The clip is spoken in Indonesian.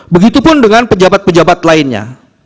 begitupun dengan pejabat pejabat lainnya